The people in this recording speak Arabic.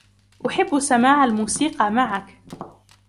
أحب سماع الموسيقى معك.